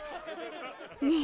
ねえ